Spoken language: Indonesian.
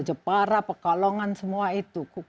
jepara pekalongan semua itu